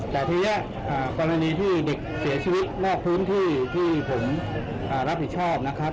แต่ทีนี้กรณีที่เด็กเสียชีวิตนอกพื้นที่ที่ผมรับผิดชอบนะครับ